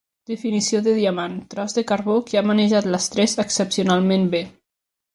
Definició de diamant: tros de carbó que ha manejat l'estrès excepcionalment bé.